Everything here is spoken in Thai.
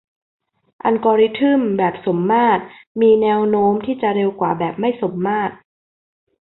อัลกอริทึมแบบสมมาตรมีแนวโน้มที่จะเร็วกว่าแบบไม่สมมาตร